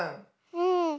うん。